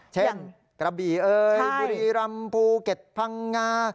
กระบี่เอ่ยบุรีรำภูเก็ตพังงา